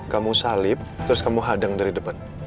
kamu salib terus kamu hadang dari depan